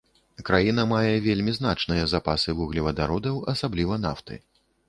Краіна мае вельмі значныя запасы вуглевадародаў, асабліва нафты.